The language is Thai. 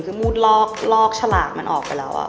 คือมูดลอกฉลากมันออกไปแล้ว